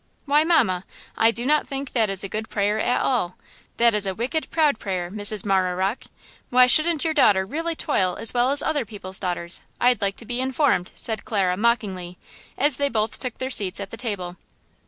"Why, mamma, I do not think that is a good prayer at all! That is a wicked, proud prayer, Mrs. Marah Rocke! Why shouldn't your daughter really toil as well as other people's daughters, I'd like to be informed?" said Clara, mockingly, as they both took their seats at the table.